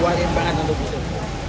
kuat banget untuk disini